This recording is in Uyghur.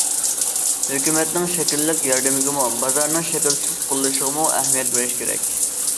ھۆكۈمەتنىڭ‹‹ شەكىللىك›› ياردىمىگىمۇ، بازارنىڭ‹‹ شەكىلسىز›› قوللىشىغىمۇ ئەھمىيەت بېرىش كېرەك.